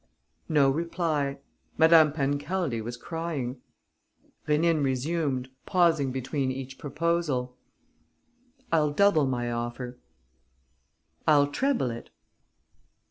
No reply. Madame Pancaldi was crying. Rénine resumed, pausing between each proposal: "I'll double my offer.... I'll treble it....